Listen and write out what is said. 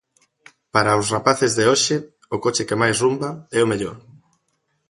Para os rapaces de hoxe, o coche que máis rumba é o mellor.